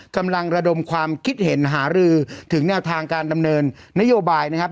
กำลังระดมความคิดเห็นหารือถึงแนวทางการดำเนินนโยบายนะครับ